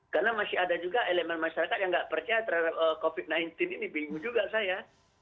karena masih ada juga elemen masyarakat yang nggak percaya terhadap covid sembilan belas ini bingung juga saya